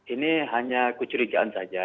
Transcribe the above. ini hanya kecurigaan saja